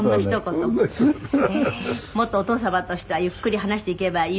「もっとお父様としてはゆっくり話していけばいいのに」